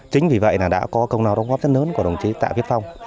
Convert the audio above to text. chính vì vậy là đã có công nào đóng góp rất lớn của đồng chí tạ viết phong